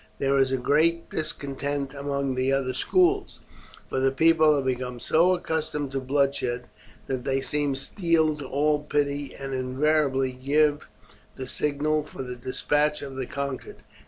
There is great discontent among the other schools, for the people have become so accustomed to bloodshed that they seem steeled to all pity, and invariably give the signal for the despatch of the conquered.